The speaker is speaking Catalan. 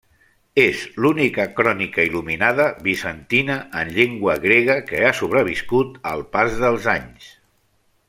És l'única crònica il·luminada bizantina en llengua grega que ha sobreviscut al pas dels anys.